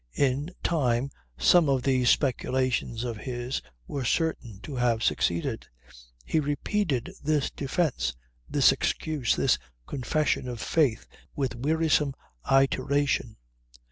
In time some of these speculations of his were certain to have succeeded. He repeated this defence, this excuse, this confession of faith, with wearisome iteration.